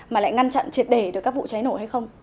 mà lại ngăn chặn triệt đề được các vụ cháy nổ hay không